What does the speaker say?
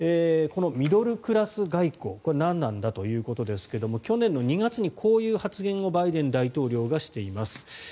このミドルクラス外交これ、何なんだということですが去年２月にこういう発言をバイデン大統領がしています。